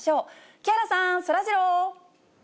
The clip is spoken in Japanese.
木原さん、そらジロー。